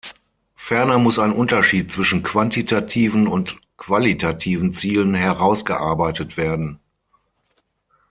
Ferner muss ein Unterschied zwischen quantitativen und qualitativen Zielen herausgearbeitet werden.